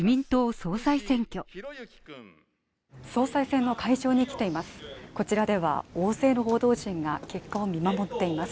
総裁選の会場に来ています。